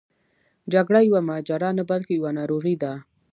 جګړه یوه ماجرا نه بلکې یوه ناروغي ده.